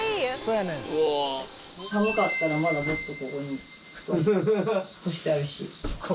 寒かったらまだもっとここに布団干してあるし。